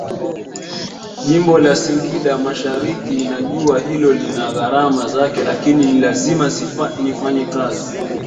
Jimbo la Singida MasharikiNajua hilo lina gharama zake lakini ni lazima nifanye kazi